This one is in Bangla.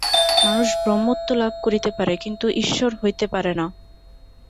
মানুষ ব্রহ্মত্ব লাভ করিতে পারে, কিন্তু ঈশ্বর হইতে পারে না।